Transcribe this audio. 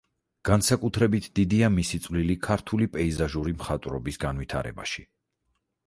განსაკუთრებით დიდია მისი წვლილი ქართული პეიზაჟური მხატვრობის განვითარებაში.